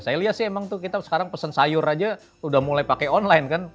saya lihat sih emang itu kita sekarang pesan sayur saja sudah mulai pakai online kan